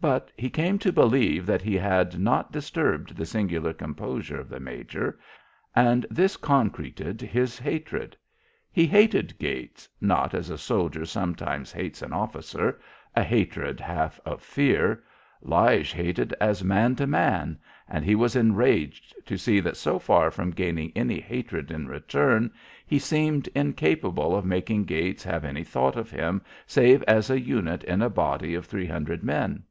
But he came to believe that he had not disturbed the singular composure of the major, and this concreted his hatred. He hated Gates, not as a soldier sometimes hates an officer, a hatred half of fear. Lige hated as man to man. And he was enraged to see that so far from gaining any hatred in return, he seemed incapable of making Gates have any thought of him save as a unit in a body of three hundred men.